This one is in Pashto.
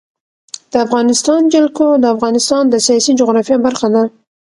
د افغانستان جلکو د افغانستان د سیاسي جغرافیه برخه ده.